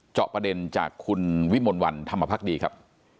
เจาะประเด็นจากคุณวิมลวันธรรมภักดีครับ